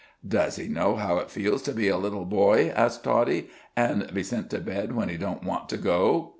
"Does He knows how it feels to be a little boy?" asked Toddie, "an' be sent to bed when He don't want to go?"